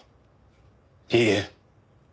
いいえ。